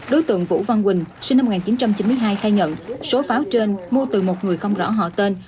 đối tượng vũ văn quỳnh sinh năm một nghìn chín trăm chín mươi hai khai nhận số pháo trên mua từ một người không rõ họ tên